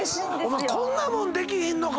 「こんなもんできへんのか